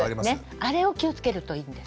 あれを気をつけるといいんです。